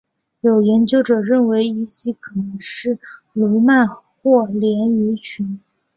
有研究者认为依西可能是鲈鳗或鲢鱼群。